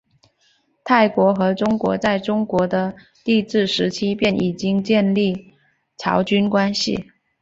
泰国和中国在中国的帝制时期便已经建立朝贡关系。